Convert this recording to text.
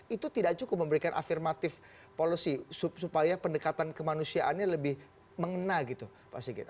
itu tidak cukup memberikan afirmatif policy supaya pendekatan kemanusiaannya lebih mengena gitu pak sigit